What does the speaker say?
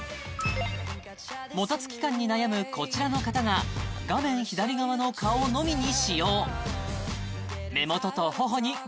もたつき感に悩むこちらの方が画面左側の顔のみに使用